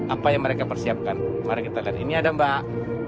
apa yang mereka persiapkan mari kita lihat ini ada mbak